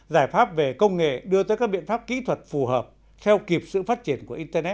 giải pháp về công nghệ đưa tới các biện pháp kỹ thuật phù hợp theo kịp sự phát triển của internet